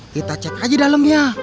kita cek aja dalamnya